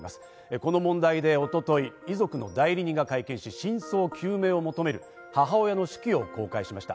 この問題で一昨日、遺族の代理人が会見し、真相究明を求める母親の手記を公開しました。